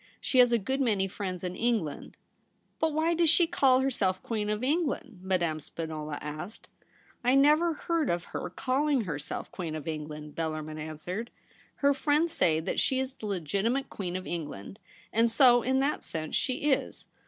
She has a good many friends in Eng land.' ' But why does she call herself Queen of England ?' Madame Spinola asked. * I never heard of her calling herself Queen TOMMY TRESSEL. 135 of England,' Bellarmin answered. ' Her friends say that she is the legitimate Queen of England ; and so in that sense she is.